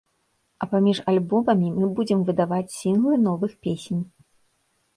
А паміж альбомамі мы будзем выдаваць сінглы новых песень.